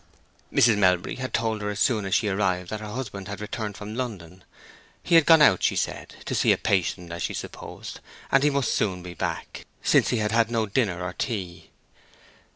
Mrs. Melbury had told her as soon as she arrived that her husband had returned from London. He had gone out, she said, to see a patient, as she supposed, and he must soon be back, since he had had no dinner or tea.